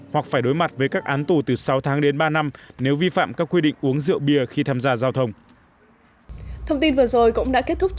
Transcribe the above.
hoặc phải đối mặt với các án tù từ sáu tháng đến ba năm nếu vi phạm các quy định uống rượu bia khi tham gia giao thông